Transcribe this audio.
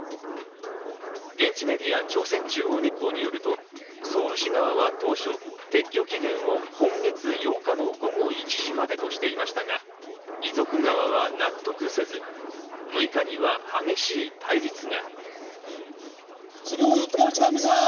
現地メディア・朝鮮中央日報によると、ソウル市側は当初、撤去期限を今月８日の午後１時までとしていましたが、遺族側は納得せず、６日には激しい対立が。